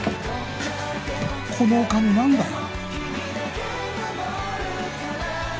このお金何だよ！？